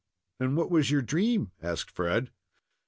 "And what was your dream?" asked Fred.